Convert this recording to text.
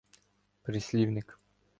Прислівник